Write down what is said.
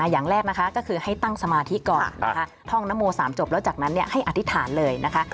อย่างแรกคือให้ตั้งสมาธิก่อนท่องนโม๓จบแล้วจุดให้อธิษฐานเลยนะคะ